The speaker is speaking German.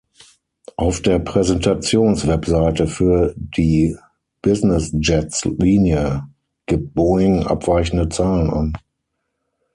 Auf der Präsentations-Webseite für die Business-Jets-Linie gibt Boeing abweichende Zahlen an.